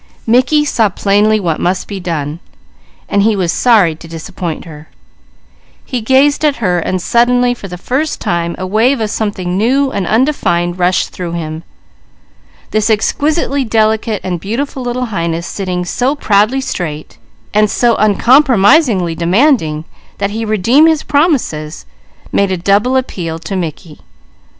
Mickey saw plainly what must be done. He gazed at her and suddenly, for the first time, a wave of something new and undefined rushed through him. This exquisitely delicate and beautiful little Highness, sitting so proudly straight, and so uncompromisingly demanding that he redeem his promises, made a double appeal to Mickey.